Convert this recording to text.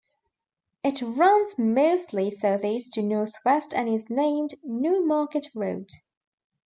It runs mostly southeast to northwest, and is named New Market Road.